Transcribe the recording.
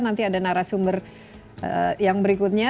nanti ada narasumber yang berikutnya